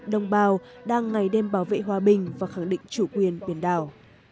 đồng bào đang ngày đêm bảo vệ hòa bình và khẳng định chủ quyền biển đảo